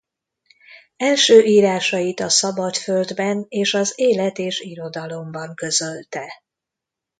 Első írásait a Szabad Földben és az Élet és Irodalomban közölte.